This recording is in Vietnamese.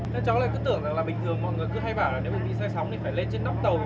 thế cháu lại cứ tưởng rằng là bình thường mọi người cứ hay bảo là nếu mà đi say sóng thì phải lên trên đóc tàu